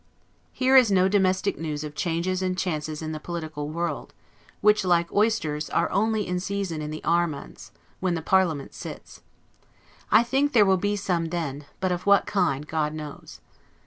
Here is no domestic news of changes and chances in the political world; which, like oysters, are only in season in the R months, when the parliament sits. I think there will be some then, but of what kind, God knows.